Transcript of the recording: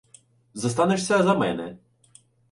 — Зостанешся за мене.